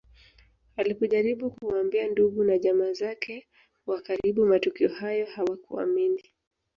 Alipojaribu kuwaambia ndugu na jamaa zake wa karibu matukio hayo hawakuamini